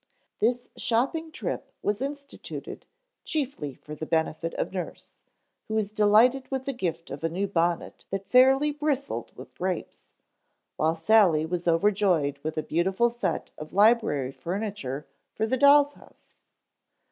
This shopping trip was instituted chiefly for the benefit of nurse, who was delighted with the gift of a new bonnet that fairly bristled with grapes, while Sally was overjoyed with a beautiful set of library furniture for the doll's house.